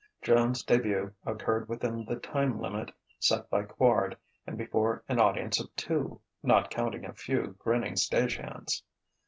Joan's début occurred within the time limit set by Quard and before an audience of two, not counting a few grinning stage hands.